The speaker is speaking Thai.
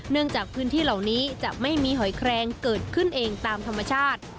จากพื้นที่เหล่านี้จะไม่มีหอยแครงเกิดขึ้นเองตามธรรมชาติ